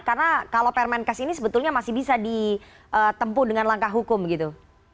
karena kalau permen kes ini sebetulnya masih bisa ditempuh dengan langkah hukum gitu